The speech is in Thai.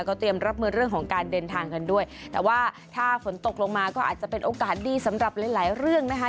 เตรียมรับมือเรื่องของการเดินทางกันด้วยแต่ว่าถ้าฝนตกลงมาก็อาจจะเป็นโอกาสดีสำหรับหลายหลายเรื่องนะคะ